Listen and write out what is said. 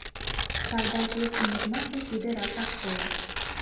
«Сардай» пьесым модмаште тиде рашак койо.